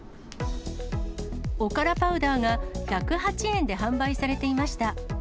おからパウダーが１０８円で販売されていました。